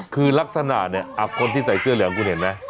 คือลักษณะเนี่ยคนที่ใส่เสื้อเหลืองคุณเห็นไหม